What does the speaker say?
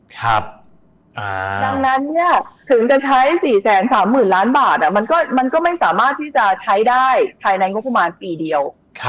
ดังนั้นถึงจะใช้๔๓๐๐๐ล้านบาทมันก็ไม่สามารถที่จะใช้ได้ภายในงบประมาณปีเดียว